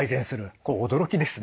これ驚きですね。